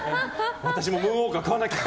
私もムーンウォーカー買わなきゃ！